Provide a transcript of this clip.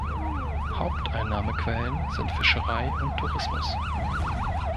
Haupteinnahmequellen sind Fischerei und Tourismus.